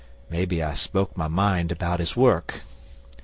Maybe I spoke my mind about his work.